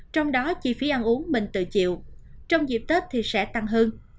trong đó chi phí ăn uống mình tự chịu trong dịp tết thì sẽ tăng hơn